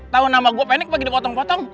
tau nama gua pendek apa gitu potong potong